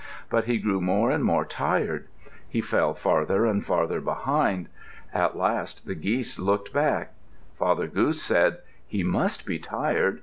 But he grew more and more tired. He fell farther and farther behind. At last the geese looked back. Father Goose said, "He must be tired.